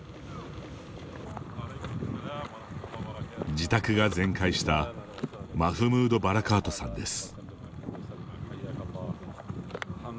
自宅が全壊したマフムード・バラカートさんです。